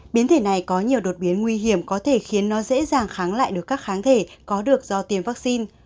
biến thể này có nhiều đột biến nguy hiểm có thể khiến nó dễ dàng kháng lại được các kháng thể có được do tiêm vaccine